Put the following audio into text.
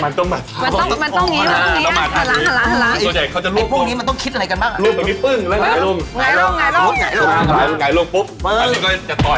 มันต้องมาทางนี้มันต้องมันต้องอย่างนี้มันต้องอย่างนี้